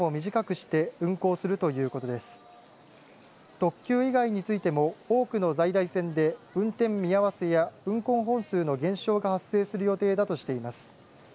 特急以外についても多くの在来線で運転見合わせや運行本数の減少が発生する予定だとしています。